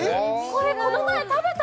これこの前食べた！